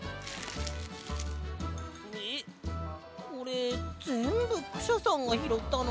えっこれぜんぶクシャさんがひろったの？